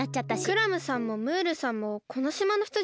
クラムさんもムールさんもこのしまのひとじゃなかったんですね。